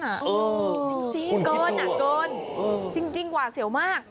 เออคุณคิดตัวเหรอจริงเกินจริงหวาเสียวมาก